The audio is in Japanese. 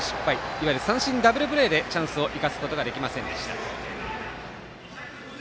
いわゆる、三振ダブルプレーでチャンスを生かすことができませんでした。